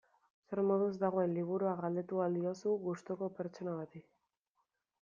Zer moduz dagoen liburua galdetu ahal diozu gustuko pertsona bati.